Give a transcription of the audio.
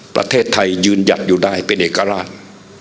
ประเทศไทยยืนหยัดอยู่ได้เป็นเอกราช